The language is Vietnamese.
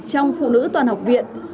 trong phụ nữ toàn học viện